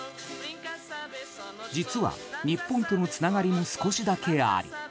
実は日本とのつながりも少しだけあり。